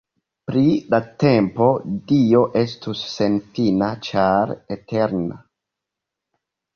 Pri la tempo, Dio estus senfina ĉar eterna.